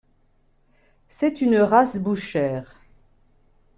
C'est une race bouchère.